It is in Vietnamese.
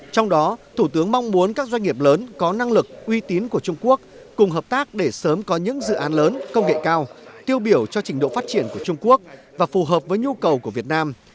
trong đó thủ tướng mong muốn các doanh nghiệp lớn có năng lực uy tín của trung quốc cùng hợp tác để sớm có những dự án lớn công nghệ cao tiêu biểu cho trình độ phát triển của trung quốc và phù hợp với nhu cầu của việt nam